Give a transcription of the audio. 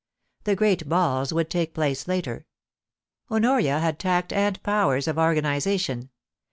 The great balls would take place later. Honoria had tact and powers of organisation.